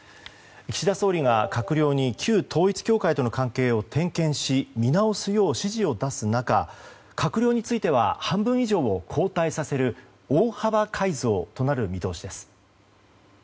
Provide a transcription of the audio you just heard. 岸田総理が閣僚に旧統一教会との関係を点検し、見直すよう指示を出す中閣僚については半分以上を交代させる大幅改造となる見通しです。